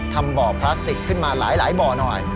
ทำบ่อพลาสติกขึ้นมาหลายบ่อหน่อย